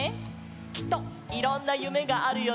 きっといろんなゆめがあるよね！